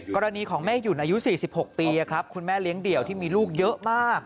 กรณีของแม่หยุ่นอายุ๔๖ปีคุณแม่เลี้ยงเดี่ยวที่มีลูกเยอะมาก